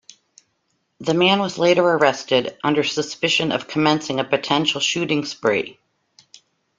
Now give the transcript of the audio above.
The man was later arrested under suspicion of commencing a potential shooting spree.